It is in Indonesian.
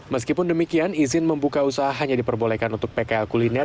meskipun demikian izin membuka usaha hanya diperbolehkan untuk pkl kuliner